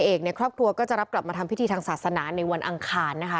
ส่วนสวพองในเอกเนี่ยครอบครัวก็จะรับกลับมาทำพิธีทางศาสนาในวันอังคารนะคะ